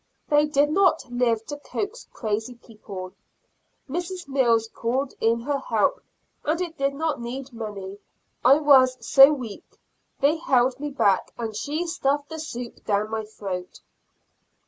They did not live to coax crazy people. Mrs. Mills called in her help, and it did not need many, I was so weak; they held me back, and she stuffed the soup down my throat.